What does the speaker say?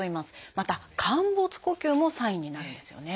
また陥没呼吸もサインになるんですよね。